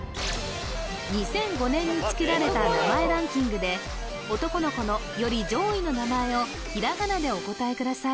２００５年につけられた名前ランキングで男の子のより上位の名前をひらがなでお答えください